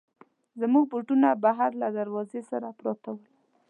زموږ بوټونه بهر له دروازې سره پراته ول.